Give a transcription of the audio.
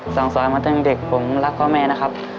สอนสอนมาตั้งแต่เด็กผมรักพ่อแม่นะครับ